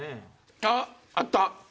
あっあった。